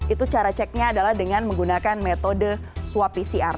itu cara ceknya adalah dengan menggunakan metode swab pcr